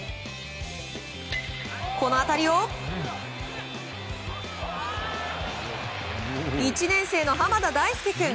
この当たりを１年生の濱田大輔君。